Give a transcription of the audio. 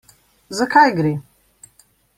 Za kaj gre?